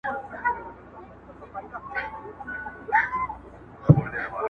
بیا شرنګی د پایزېبونو بیا پر سرو شونډو پېزوان کې-